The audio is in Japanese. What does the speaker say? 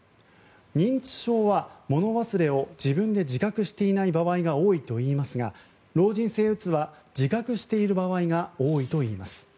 認知症は、もの忘れを自分で自覚していない場合が多いといいますが老人性うつは自覚している場合が多いといいます。